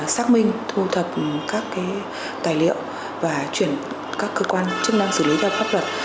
xác minh thu thập các tài liệu và chuyển các cơ quan chức năng xử lý theo pháp luật